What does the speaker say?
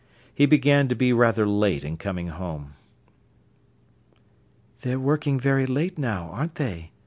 He began to be rather late in coming home. "They're working very late now, aren't they?"